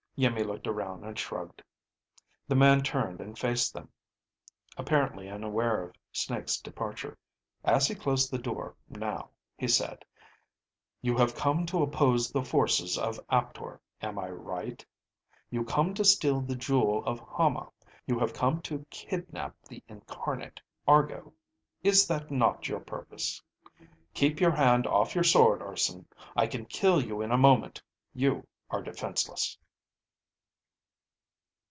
Iimmi looked around and shrugged. The man turned and faced them, apparently unaware of Snake's departure. As he closed the door, now, he said, "You have come to oppose the forces of Aptor, am I right? You come to steal the jewel of Hama. You have come to kidnap the Incarnate Argo. Is that not your purpose. Keep your hand off your sword, Urson! I can kill you in a moment. You are defenseless."